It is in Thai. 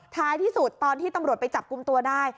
ท้ายที่สุดตอนที่ตำรวจไปจับกลุ่มตัวได้